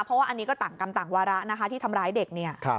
เพราะว่าอันนี้ก็ต่างกรรมต่างวาระนะคะที่ทำร้ายเด็กเนี่ย